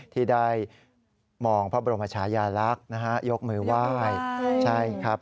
ที่ได้มองพระบรมชายาลักษณ์นะฮะยกมือไหว้ใช่ครับ